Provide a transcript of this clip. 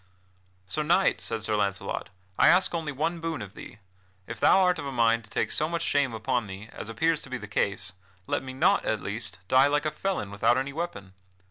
"Sir Knight," said Sir Launcelot, "I ask only one boon of thee; if thou art of a mind to take so much shame upon thee, as appears to be the case, let me not, at least, die like a felon without any weapon.